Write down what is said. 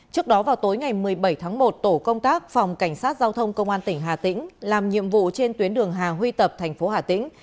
trước đó vào tối ngày một mươi bảy tháng một tổ công tác phòng cảnh sát giao thông công an tỉnh hà tĩnh làm nhiệm vụ trên tuyến đường hà huy tập thành phố hà tĩnh